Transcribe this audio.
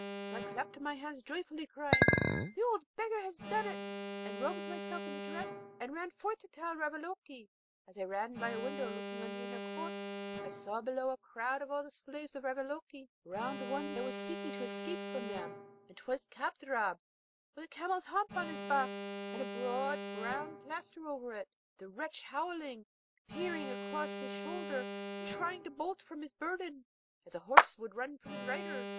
So I clapped my hands joyfully, crying, 'The old beggar has done it!' and robed myself in the dress, and ran forth to tell Ravaloke. As I ran by a window looking on the inner court, I saw below a crowd of all the slaves of Ravaloke round one that was seeking to escape from them, and 'twas Kadrab with a camel's hump on his back, and a broad brown plaister over it, the wretch howling, peering across his shoulder, and trying to bolt from his burden, as a horse that would run from his rider.